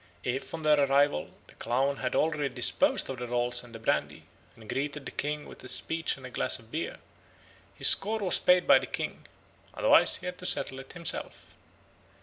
If on their arrival the clown had already disposed of the rolls and the brandy, and greeted the king with a speech and a glass of beer, his score was paid by the king; otherwise he had to settle it himself.